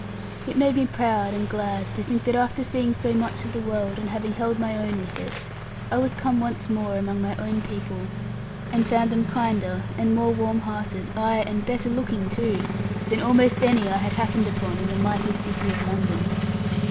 It made me proud and glad to think that after seeing so much of the world, and having held my own with it, I was come once more among my own people, and found them kinder, and more warm hearted, ay and better looking too, than almost any I had happened upon in the mighty city of London.